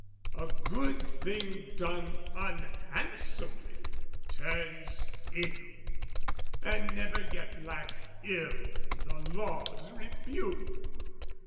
A good thing done unhandsomely turns ill; And never yet lacked ill the law's rebuke.